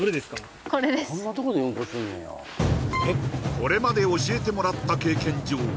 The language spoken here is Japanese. これまで教えてもらった経験上